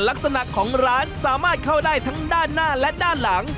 ลักษณะของร้านสามารถเข้าได้ทั้งด้านหน้าและด้านหลัง